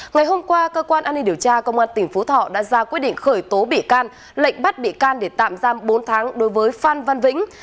ngày hôm qua cơ quan an ninh điều tra công an tỉnh phú thọ đã ra quyết định khởi tố bị can lệnh bắt bị can để tạm giam bốn tháng đối với phan văn vĩnh